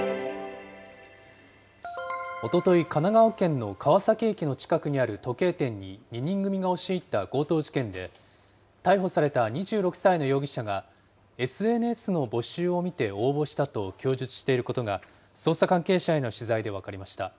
おととい、神奈川県の川崎駅の近くにある時計店に２人組が押し入った強盗事件で、逮捕された２６歳の容疑者がＳＮＳの募集を見て応募したと供述していることが、捜査関係者への取材で分かりました。